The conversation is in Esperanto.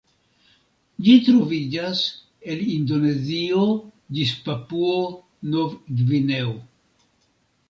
Ĝi troviĝas el Indonezio ĝis Papuo-Nov-Gvineo.